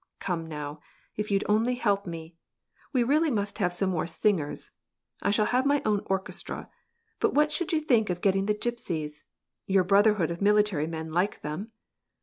" Come now, f you'd only help me ! We really must have some more sing '^rs. I shall have my own orchestra, but what should you hink of getting the gypsies. Your brotherhood of military nen like them."